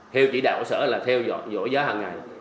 theo chỉ đạo của sở là theo dõi giá hằng ngày